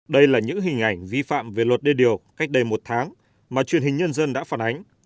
đây là những hình ảnh vi phạm về luật đê điều cách đây một tháng mà truyền hình nhân dân đã phản ánh